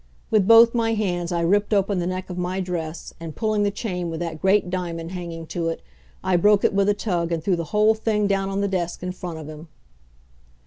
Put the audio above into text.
With both my hands I ripped open the neck of my dress, and, pulling the chain with that great diamond hanging to it, I broke it with a tug, and threw the whole thing down on the desk in front of him.